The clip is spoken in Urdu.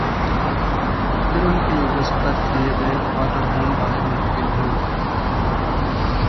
پھر ان کے عوض قرض لئے گئے اوررقوم باہر منتقل ہوئیں۔